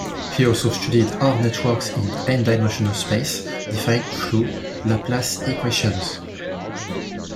He also studied R-networks in n-dimensional space, defined through Laplace equations.